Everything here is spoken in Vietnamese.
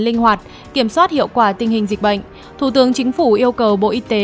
linh hoạt kiểm soát hiệu quả tình hình dịch bệnh thủ tướng chính phủ yêu cầu bộ y tế